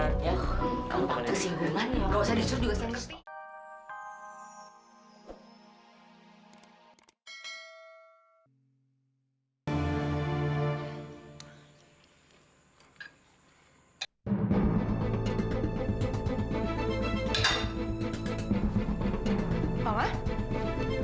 kalau tersinggungan ya nggak usah disuruh juga saya ngerti